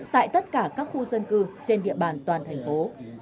tại tất cả các khu dân cư trên địa bàn toàn thành phố